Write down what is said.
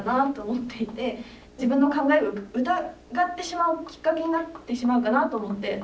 自分の考えを疑ってしまうきっかけになってしまうかなと思って。